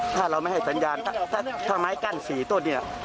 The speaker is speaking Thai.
ถ้าไม่ให้สัญญาณถ้าไม้กั้น๔ต้น